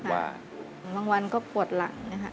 บางวันก็ปวดหลังนะคะ